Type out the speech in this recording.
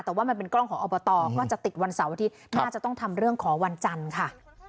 แต่ว่ามันเป็นกล้องของอบตก็จะติดวันเสาร์อาทิตย์น่าจะต้องทำเรื่องขอวันจันทร์ค่ะ